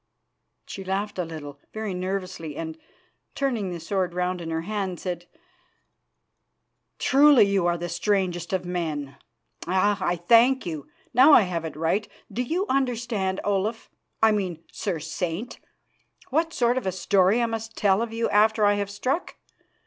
She laughed a little, very nervously, and, turning the sword round in her hand, said: "Truly, you are the strangest of men! Ah! I thank you, now I have it right. Do you understand, Olaf, I mean, Sir Saint, what sort of a story I must tell of you after I have struck?